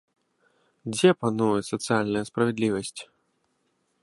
Дзе пануе сацыяльная справядлівасць?